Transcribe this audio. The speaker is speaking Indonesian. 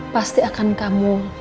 pasti akan kamu